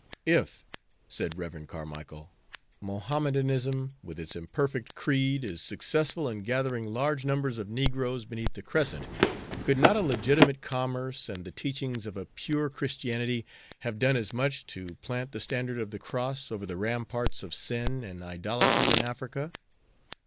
"If," said Rev. Carmicle, "Mohammedanism, with its imperfect creed, is successful in gathering large numbers of negroes beneath the Crescent, could not a legitimate commerce and the teachings of a pure Christianity have done as much to plant the standard of the Cross over the ramparts of sin and idolatry in Africa?